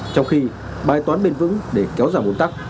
trong khi bài toán bền vững để kéo giảm ồn tắc